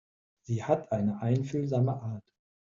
Sie hat eine einfühlsame Art.